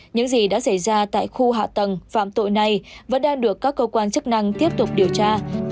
những gì đã xảy ra tại khu hạ tầng phạm tội này vẫn đang được các cơ quan chức năng tiếp tục điều tra